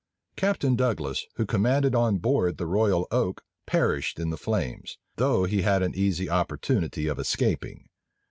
Captain Douglas, who commanded on board the Royal Oak, perished in the flames, though he had an easy opportunity of escaping.